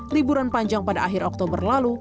liburan panjang pada akhir oktober lalu